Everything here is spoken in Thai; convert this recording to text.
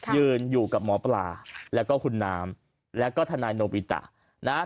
ยืนอยู่กับหมอปลาและคุณนามและคุณทนายโนมอีตตะ